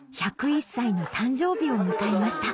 １０１歳の誕生日を迎えました